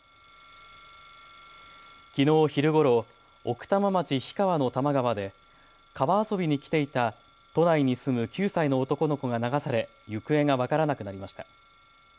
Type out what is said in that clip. きのう昼ごろ奥多摩町氷川の多摩川で川遊びに来ていた都内に住む９歳の男の子が流され行方が分からなくなりました。